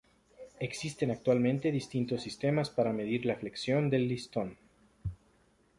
Existen actualmente distintos sistemas para medir la flexión del listón.